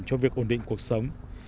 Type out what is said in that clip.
cho việc ổn định cuộc sống